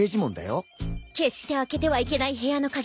決して開けてはいけない部屋の鍵。